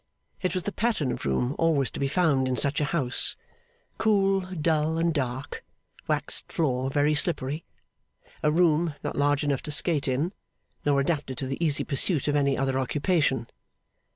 It was the pattern of room always to be found in such a house. Cool, dull, and dark. Waxed floor very slippery. A room not large enough to skate in; nor adapted to the easy pursuit of any other occupation.